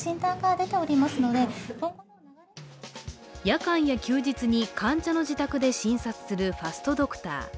夜間や休日に患者の自宅で診察するファストドクター。